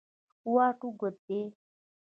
واټ اوږد دی.